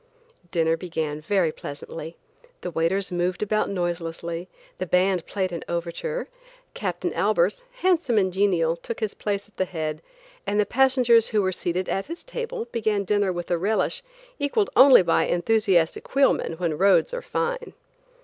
Dinner began very pleasantly. The waiters moved about noiselessly, the band played an overture, Captain Albers, handsome and genial, took his place at the head, and the passengers who were seated at his table began dinner with a relish equaled only by enthusiastic wheelmen when roads are fine.